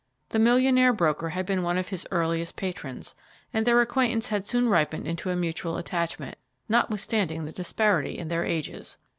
The millionaire broker had been one of his earliest patrons, and their acquaintance had soon ripened into a mutual attachment, notwithstanding the disparity in their ages.